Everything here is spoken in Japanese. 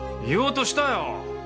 言おうとしたよ！